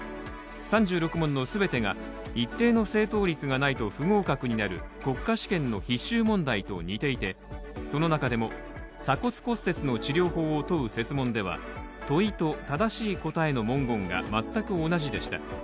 ３６問の全てが一定の正答率がないと不合格になる国家試験の必修問題と似ていてその中でも、鎖骨骨折の治療法を問う設問では問いと正しい答えの文言が全く同じでした。